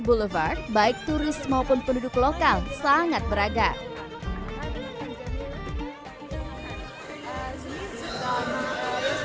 boulevard baik turis maupun penduduk lokal sangat beragam